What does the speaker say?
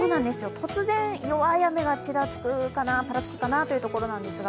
突然弱い雨がちらつくかなぱらつくかなという感じですが。